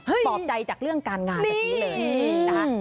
ปลอบใจจากเรื่องการงานแบบนี้เลยนะคะ